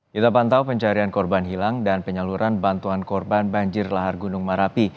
kita pantau pencarian korban hilang dan penyaluran bantuan korban banjir lahar gunung merapi